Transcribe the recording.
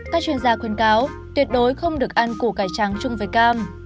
các chuyên gia khuyên cáo tuyệt đối không được ăn củ cải trắng chung với cam